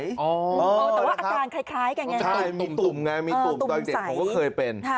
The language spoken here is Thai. อ๋อแต่ว่าอาจารย์คล้ายกันไงตุ่มไงมีตุ่มต่อยเด็กของก็เคยเป็น